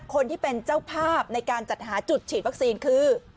คนที่เป็นเจ้าภาพในการจัดหาจุดฉีดวัคซีนคือ